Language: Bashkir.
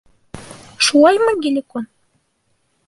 Шулаймы, Геликон?